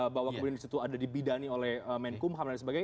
bahwa kemudian disitu ada dibidani oleh menkumham dan lain sebagainya